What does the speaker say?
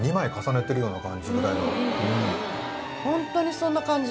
ホントにそんな感じ